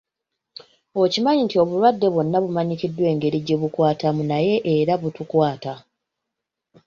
Okimanyi nti obulwadde bwonna bumanyikiddwa engeri gye bukwatamu naye era butukwata.